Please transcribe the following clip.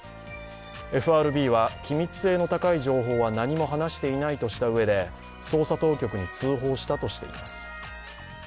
ＦＲＢは機密性の高い情報は何も話していないとしたうえで捜査当局に通報したとしています。